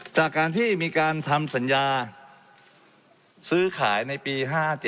จากการที่มีการทำสัญญาซื้อขายในปี๕๗